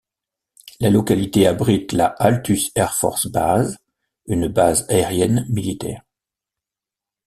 La localité abrite la Altus Air Force Base, une base aérienne militaire.